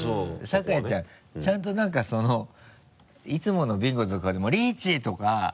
酒井ちゃんちゃんとなんかそのいつものビンゴとかでも「リーチ！」とか。